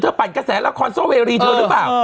ปั่นกระแสละครโซเวรีเธอหรือเปล่า